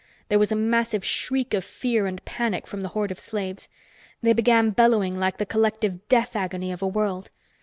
There was a massive shriek of fear and panic from the horde of slaves. They began bellowing like the collective death agony of a world.